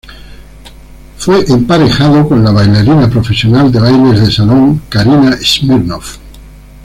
El fue emparejado con la bailarina profesional de bailes de salón, Karina Smirnoff.